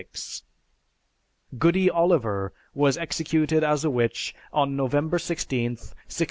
"Goody Oliver" was executed as a witch on November 16th, 1688.